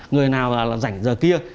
người nào là rảnh giờ kia